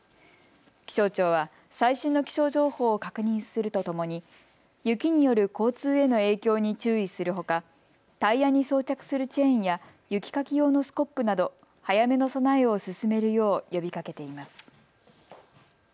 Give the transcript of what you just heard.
気象庁は最新の気象情報を確認するとともに雪による交通への影響に注意するほかタイヤに装着するチェーンや雪かき用のスコップなど早めの備えを進めるよう呼びかけています。